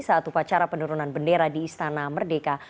saat upacara penurunan bendera di istana merdeka